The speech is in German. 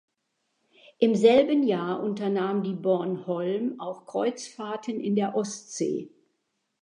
Im selben Jahr unternahm die "Bornholm" auch Kreuzfahrten in der Ostsee.